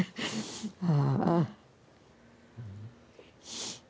ああ。